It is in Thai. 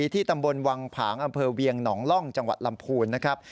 ที่ตำบลวังผางอำเภอเวียงหนองล่องจังหวัดลำพูนนะครับ